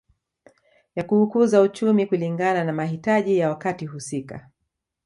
Ya kuukuza uchumi kulingana na mahitaji ya wakati husika